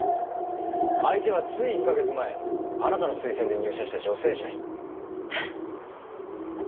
相手はつい１カ月前あなたの推薦で入社した女性社員。